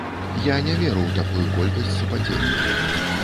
Я не веру ў такую колькасць супадзенняў.